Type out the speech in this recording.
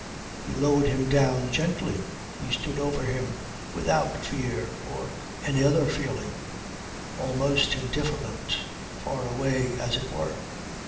He lowered him down gently. He stood over him without fear or any other feeling, almost indifferent, far away, as it were.